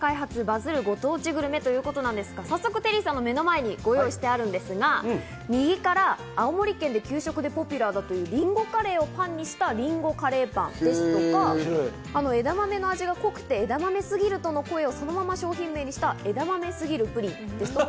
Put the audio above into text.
「バズるご当地グルメ」ということなんですが、早速テリーさんの目の前にご用意しているんですが、右から青森県で給食にポピュラーだという、りんごカレーをパンにした「りんごカレーパン」ですとか、枝豆の味が濃くて、枝豆すぎるとの声をそのまま商品名にした「枝豆すぎるプリン」ですとか。